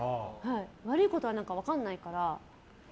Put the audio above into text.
悪いことは分かんないから。